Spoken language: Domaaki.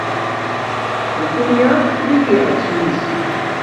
نِکِیݳ نݵ پِیݳ چھݵس.